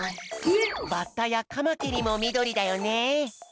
バッタやカマキリもみどりだよね。